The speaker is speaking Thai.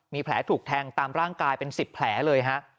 มีแผลถูกแทงตามร่างกายเป็น๑๐แผลเลยฮะ